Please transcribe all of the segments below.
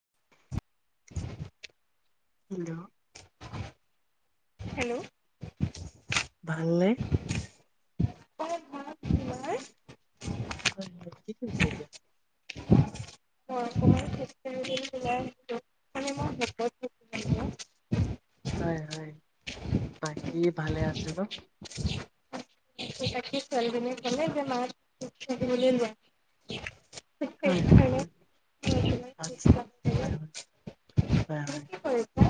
[inaudible] Hello hello ভালনে অ পোৱা ভিৰ মাৰে হয় কি কৰিছে এতিয়া হয় অকন মানখুজ কাহি উলায় আহিছোঁ মানে মই শকত হয় হয় বাকী ভালে আছে ন ছোৱালী এজনীক কেনে মাৰে খেলুৱৈ নোৱাৰে হে হয় হয় হে হয় ভালে আচ্ছা হয় তুমি হয় কি কৰিছা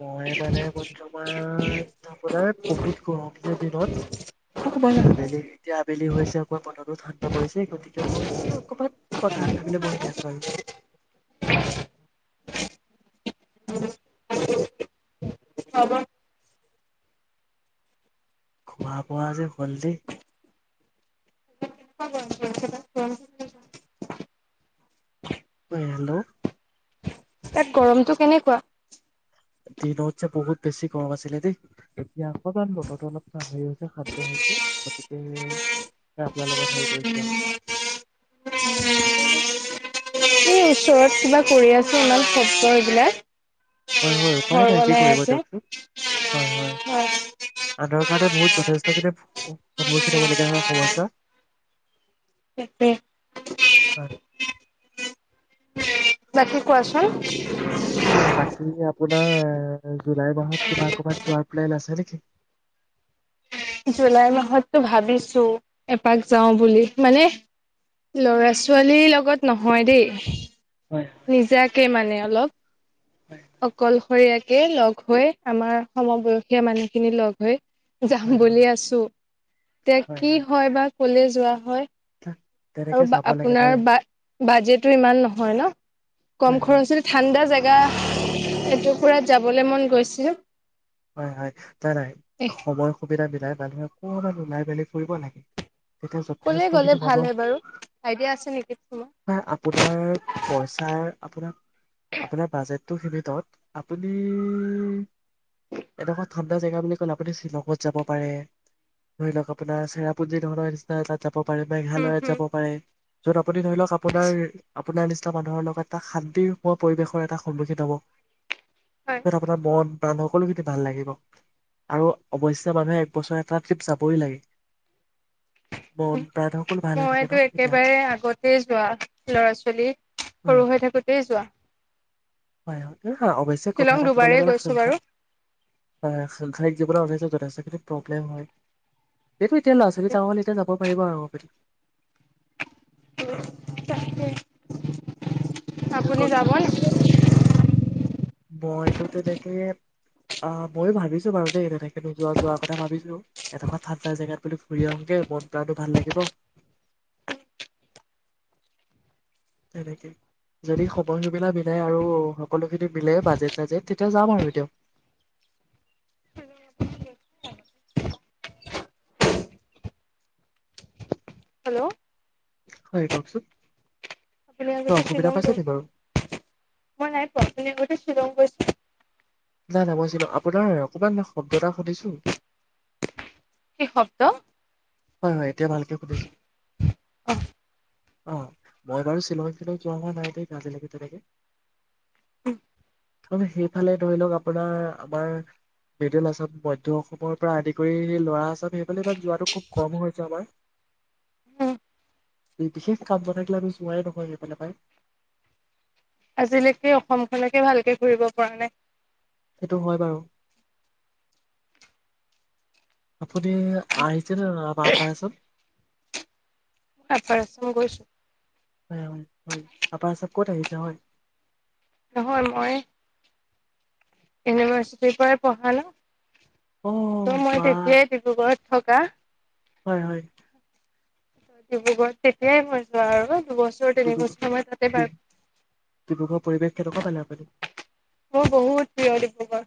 মই মানে বৰ্তমান আপোনাৰ বহুত গৰম যে দিনত অকবমান আবেলি এতিয়া আবেলি হৈছে অকমান মনতো ঠাণ্ডা পৰিছে গতিকে মই এতিয়া অকমান পতাহ খাবলৈ বহি আছো আৰু হব খোৱা বোৱা যে হল দে। এনে কিবা কাম এটা কৰিবা হয় হেল্ল' তাত গৰমতটো কেনেকুৱা দিনত যে বহুত বেছি গৰম আছিলে দেই এতিয়া অকণমান বতৰো অলপ চাহৰি হৈছে খাদ্য হৈছে গতিকে আপোনাৰ লগত হেৰি কৰিছো আৰু ওচৰত কিবা কৰি আছো অলমান শব্দ এইবিলাক হয় হয় উপায় ঘৰ নাই কি বনাই কৰিব আছে দিয়কচোন হয় হয় আনৰ কাৰণে বহুত যথেষ্টখিনি সন্মুখীন হ'ব লগগীয়া হয় সমস্যা পে পে হয় বাকী কোৱাচোন হয় বাকী আপোনাৰ জুলাই মাহত কিবা ক'বাত যোৱাৰ প্লেন আছে নেকি জুলাই মাহতটো ভাবিছো এপাক যাও বুলি মানে লৰা ছোৱালীৰ লগত নহয় দেই হয় নিজাকে মানে হেল্ল' হয় অকল সৈয়াকেই লগ হৈ, আমাৰ সমবয়সীয়া মানুহখিনি লগ হৈ হয় বুলি হয় আছো। এতিয়া কি হয় বা। ক'লে যোৱা হয়। তা- তেনেকে আৰু বা যাব লাগে আপোনাৰ জানে বা বাজেটো ইমান নহয় ন। কম হয় হয় খৰচতে ঠাণ্ডা জেগা য়া এটুকুৰাত যাবলৈ মন গৈছিল। হয় হয়। তাই নাহে এ সময় সুবিধা মিলাই মানুহে অকমান ওলাই মেলি ফুৰিব লাগে তেতিয়া কলে যথেষ্ট গ'লে খিনি ভাল মানুহ হয় বাৰু আইডিয়া আছে নেকি তোমাৰ বা আপোনাৰ পইচাৰ আপোনাক আপোনাৰ বাজেট টো সিবিতত আপুনি এনেকুৱা ঠণ্ডা জগা বুলি কলে আপুনি শ্বিলঙত যাব পাৰে, ধৰি লওক আপোনাৰ চেৰাপুঞ্জী ধৰণৰ নিচিনা যাব পাৰে, হম মেঘালয়ত হম যাব পাৰে। য'ত আপ আপুনি ধৰি লওক আপোনাৰ আপ আপোনাৰ নিচিনা মানুহৰ লগত এটা শান্তিময় পৰিৱেশৰ এটা সন্মুখীন হ'ব। হয় য'ত আপোনাৰ মন [unintelligible] হওক সকলোখিনি ভাল লাগিব আৰু অৱশ্যে মানুহে একবছৰ এটা ট্ৰিপ যাবই লাগে। মন প্ৰাণ সকলো ভাল হৈ থাকে ন মইতো তেতিয়া একেবাৰে আগতেই যোৱা। ল'ৰা ছোৱালী হয় সৰু হৈ থাকোতেই যোৱা। হয় হয়। হ হা অৱশ্যে কথা শ্বিলং এটা ক'বলৈ দুবাৰেই গ'লে, গৈছো সাংসা বাৰু। সাংসাৰিক জীৱনৰ অৱশ্যে যথেষ্টখিনি প্ৰব্লেম হয়। সেটো এতিয়া ল'ৰা ছোৱালী ডাঙৰ হ'ল, এয়া যাব পৰিব আৰু মোৰ পিঠিত। ওম তাকে। আৰু আপুনি যাব কওকচোন নেকি। মইতো তেনেকে আহ ময়ো ভাবিছোঁ বাৰু দেই [unintelligible] যোৱা যোৱা কথা ভাবিছোঁ। একেনুৱা ঠাণ্ডা জেগাত বুলি ঘুৰি আহোগে মন প্ৰাণো ভাল লাগিব। তেনেকে, যদি সময় সেইবিলা মিলাই আৰু সকলোখিনি মিলে বাজেট চাজেট তেতিয়া যাম আৰু দিয়ক। হেল্ল'। হয় কওকচোন। আপুনি কিবা আগতে অসুবিধা শ্বিলং পাইছে নি গৈছে? বাৰু মই নাই পোৱা, আপুনি আগতে শ্বিলং গৈছে নাই নাই মই শ্বিল আপোনাৰ অকমান শব্দ এটা শুনিছোঁ। কি শব্দ। হয় হয়। এতিয়া ভালকে শুনিছোঁ। অ, মই বাৰু শ্বিলং চিল যোৱা হোৱা নাই দেই আজিলৈকে তেনেকে। মানে সেইফালে ধৰি লওক আপোনাৰ আমাৰ মিডেল অসাম মধ্য অসমৰ পৰা আদি কৰি লোৱাৰ আসাম সেইফালে ইমান যোৱাটো খুব কম হৈছে আমাৰ অ' বিশেষ কাম নাথাকিলে আমি জোৱাই নহয় সেইফালে পাই আজিলৈকে অসমখনকে ভালকে ঘুৰিব পৰা নাই সেইটো হয় বাৰু আপুনি আ [unintelligible] পা পায়চম ম আপৰচ ম গৈছো হয় হয় হয় আপাৰ চব ক'ত আহিছে হয় নহয় মই ইউনিভাৰ্চিটি পাই পঢ়া ন অ ত বা মই তেতিয়া ডিব্ৰুগড়ত থকা হয় হয় ডিব্ৰুগড়ত তেতিয়াই মই জোৱা আৰু দুবছৰ তিনি বছৰ মই তাতে ডিব্ৰুগড় পাৰ ডিব্ৰুগড়ৰ পৰিৱেশ কেনেকুৱা পালে আপুনি মোৰ বহুত প্ৰিয় ডিব্ৰুগড়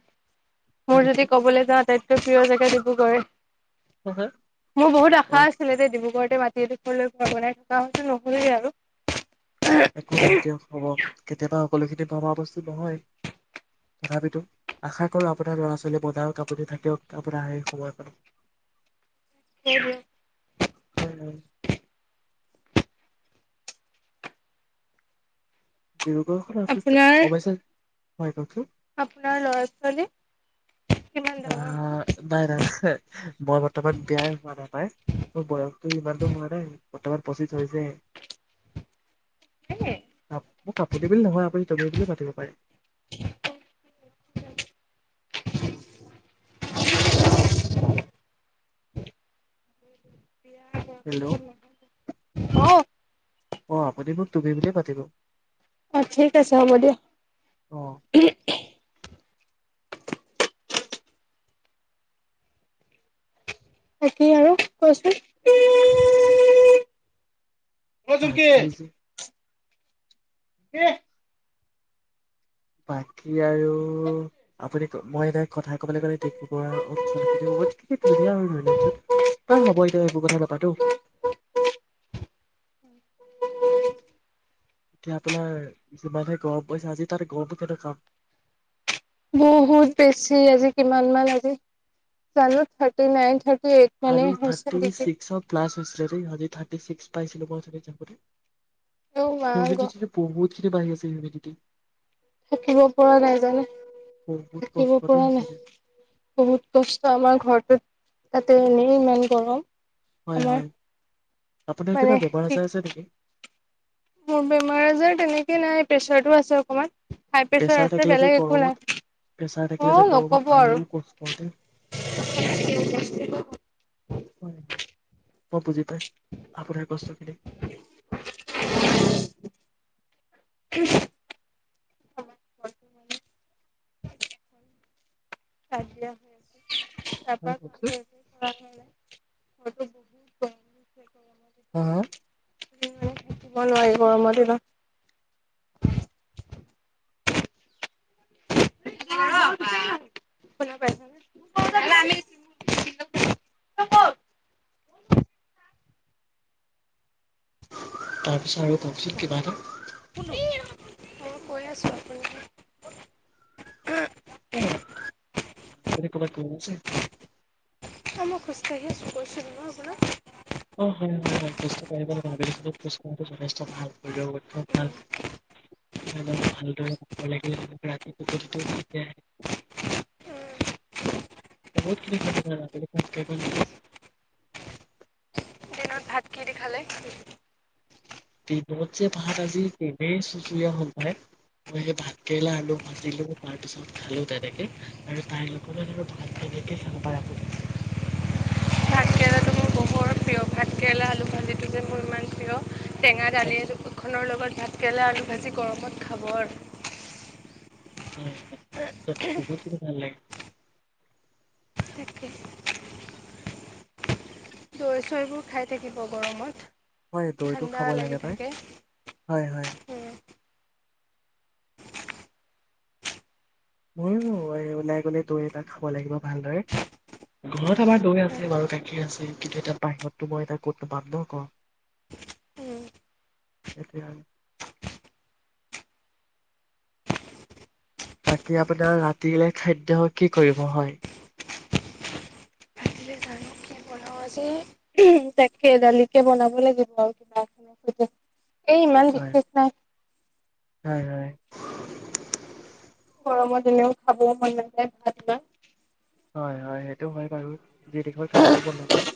হয় মোৰ নেকি যদি ক'বলৈ যাওঁ আটাইতকৈ প্ৰিয় জে পে ডিব্ৰুগড় হয় হয় মোৰ বহুত আশা হয় আছিলে এ ডিব্ৰুগড়তে মা সেই ডখৰলৈ ঘৰ বনাই থকা হৈছিল নহ'লে আৰু একো নাইতিয় হব কেতিয়াবা সকলোখিনি ভবা বস্তু নহয় তথাপিতো আশা কৰো আপোনাৰ ল'ৰা ছোৱালী বনাওক আপুনি থাকক আপোনাৰ সেই সময়ে সেহ উম উম ডিব্ৰুগড়খন আছে আপোনাৰ অৱশ্যে হয় ককছো আপোনাৰ ল'ৰা ছোৱালী কিমান অ ডাঙৰ হ'ল ব [unintelligible] মই বৰ্তমান বেয়াই হোৱা নাপায় মোৰ বয়সটো ইমানো হোৱা নাই বৰ্তমান পচিছ হৈছে হে অ মোক আপুনি বুলি নহয় আপুনি তুমি বুলি মাতিব পাৰে উ বিয়া হেল্ল' হ [unintelligible] অ আপুনি মোক তুমি বুলিয়ে মাতিব অ ঠিক আছে হ'ব দিয়া অ তাকি আৰু কচোন কচক বাকী যে [unintelligible] উ [unintelligible] বাকী এ আৰু আপুনি মই এাই কথা কবলৈ গ'লে ডু অচনখিন ধুনীয়া আৰু ধৰি লওকচোন বাৰ হব এতিয়া এইবোৰ কথা নাপাতো অ [unintelligible] এতিয়া আপোনাৰ যিমানহে গৰ পাইছে আজি তাৰ গহবোৰ কেনেকুৱাম বহুত বেছি আজি কিমান মান আজি জানো থাৰটি নাইন এইট আজ মানে হৈছে থাৰ্তি ডিগ্ৰী ছিক্স প্লাছ হৈছিলে দেই আজি থাৰ্তি ছিক্স পাইছিলো বন চতপতি অ মা পতি গ তেতিয়া পাবৈ কি বাহি আছে নিগেটিভ থাকিব পৰা নাই জানো বহুত থাকিব কষ্টতে পৰা নাই সঁচাকে বহুত কষ্ট আমাৰ ঘৰটোত ততে এনেই মন কৰো হয় হয় আপোনাৰ মানে কিবা বমহাৰ কি আচাৰ আছে নেকি মোৰ বেমাৰ আজাৰ তেনেকে নাই প্ৰেচাৰটো আছে অকণমান প্ৰেছাৰ থাকিলে যে গৰমত প্ৰেছাৰ অ থাকিলে যে নকব গৰমত আৰু কষ্টতে হয় অ পুজি আপোনাৰ কষ্ট খিনি [unintelligible] খুশ খাইছিলে তাৰ হয় পৰা কওকচোন। উম কাৰণে অটো বহুত কম হা হা মান থাকিব নোৱাৰি গৰমৰ দিনত শ পাইছত [unintelligible] তাৰপিছত আৰু ক চীত কি বা এটা মই কৈই আছো আপুনি হে কবাক কৰিছে অ মই খোজকাঢ়ি আছোঁ কৈছিলোঁ ন আপোনাৰ অ হয় হয় হয় কষ্ট লাগে আবেলি কষ্ট কৰাটো যথে ভাল ভালপ ভালদৰে ল ৰাতিটোপটো ভালকে আহে [unintelligible] আবেলি খোজ কাঢ়িব লাগিব ত ভাত কি দিখালে দিনত যে ভাত আজি নেই চুচুৰৰিয়া হ'ল পায় মই সেই ভাতকেৰেলা আলু ভাজিলো তাৰ পিছত খালো তেনেকে আৰু তাইৰ লগোন আৰু ভাত কেনেকে খালাপায় আপুনি ভাতকেৰেলাটো মোৰ বহুত প্ৰিয় ভাতকেৰেলা আলু ভাজিটো যে মোৰ ইমান প্ৰিয় টেঙা হয় দালিৰখনৰ লগত ভাত কেৰেলে আলু ভাজি গৰমত খাব আৰু হয় ত খুবই ভাল লাগে তাকে চৈ চৈবোৰ খাই থাকিব গৰমত হয় দৈটো ঠাণ্ডা খাব লাগি লাগে নাই থাকে হয় হয় ময়ো ওলাই গলে দৈ এটা খাব লাগিব ভালদৰে ঘৰত আমাৰ দৈ আছে বাৰু গাখীৰ আছে কিন্তু এতিটা বাহিৰতো মই এটা কত নোাপাম ন আক এয়া আৰু বাকী আপোনাৰ ৰাতিলে খাদ্য কি কৰিব হয় অ তাকে দালিকে বনাব লাগিব আৰু কিবা এ এই ইমান হয় বিশেষ নাই হয় হয় গৰমৰ এনেও খাবও মন নাযায় ভাত বা হয় হয় সেইটো হয় বাৰু যি তি খাবলৈ ও মন নাযায়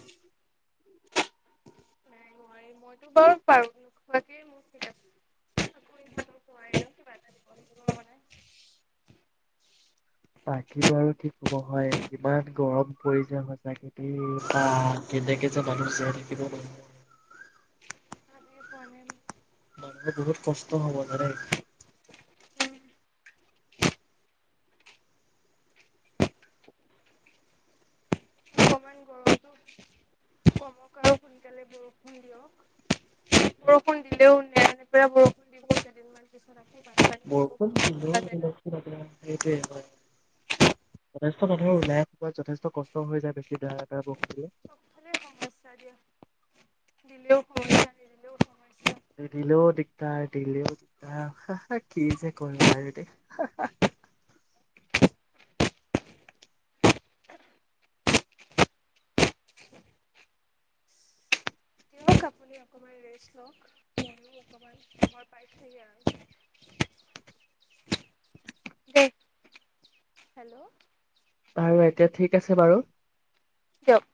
নোৱাৰি মইতো বাৰু পাৰো নোখোৱাক মোৰ ঠিক কিবা এটা ন বাকী বো আৰু কি কব হয় ইমান গৰম পৰি যায় সঁচ খেতি ত কেনেকে যে মানুহ জীয়াই থাকিব ন তুমি খোৱানে মানুহে বহুত কষ্ট হ'ব যানে অকমান গৰমটো সাল বৰষুণ দিয় বৰষুণ দিলেও নে পৰা বৰষুণ দিবহু কেইদিনমান পিছত আে বৰষুণ দিলেও আপোনাৰ সেইটোৱে হয় যথেষ্ট মানুহে ওলাই আহি যথেষ্ট কষ্ট হৈ যায় বেছিা বৰষুন দিলে চবফালে সমস্যা দিয়া দিলেও সমস্যা নিদিলেও সমস্যা নি দিলেও দিগদাৰ দিলেও দিগদাৰ কি যে কৰিবম আৰু দ উ দিয়ক আপুনি অকমান ৰেষ্ট লওক মই অকমান ঘৰপাইছে আৰু হেল্ল' আৰু এতিয়া ঠিক আছে বাৰু কিয়ক